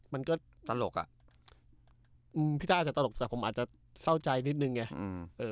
มันก็ตลกอ่ะอืมพี่ต้าอาจจะตลกแต่ผมอาจจะเศร้าใจนิดนึงไง